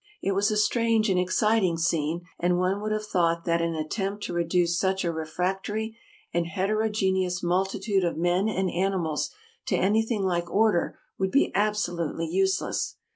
It was a strange and exciting scene, and one would have thought that an attempt to reduce such a refractory and heterogeneous multitude of men and animals to anything like order would be absolutely useless.